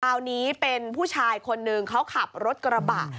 คราวนี้เป็นผู้ชายคนหนึ่งเขาขับรถกระบะ